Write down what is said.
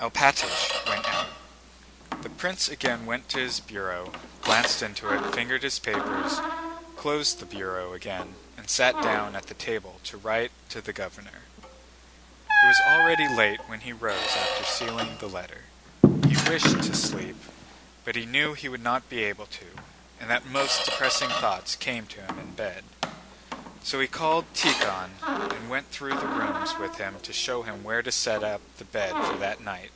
Alpátych went out. The prince again went to his bureau, glanced into it, fingered his papers, closed the bureau again, and sat down at the table to write to the governor. It was already late when he rose after sealing the letter. He wished to sleep, but he knew he would not be able to and that most depressing thoughts came to him in bed. So he called Tíkhon and went through the rooms with him to show him where to set up the bed for that night.